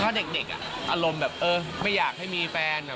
ถ้าเด็กอารมณ์แบบเออไม่อยากให้มีแฟน